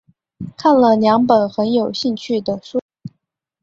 看了两本很有兴趣的书